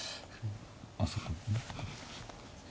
あそうか。